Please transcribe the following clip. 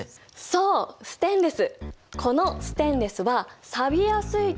そうステンレス。